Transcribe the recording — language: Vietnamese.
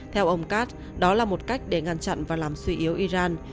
theo ông kat đó là một cách để ngăn chặn và làm suy yếu iran